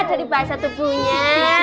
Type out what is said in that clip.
dari bahasa tubuhnya